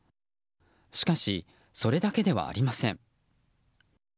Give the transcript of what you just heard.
しかし、それだけではありません。